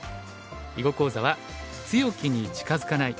囲碁講座は「強きに近づかない」。